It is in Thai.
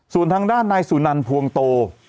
ส่วนทางด้านนายสุนันภวงโต